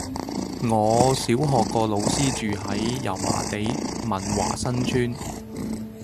我小學個老師住喺油麻地文華新村